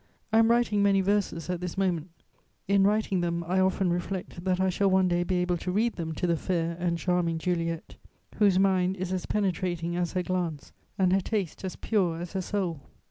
I am writing many verses at this moment. In writing them, I often reflect that I shall one day be able to read them to the fair and charming Juliet, whose mind is as penetrating as her glance, and her taste as pure as her soul.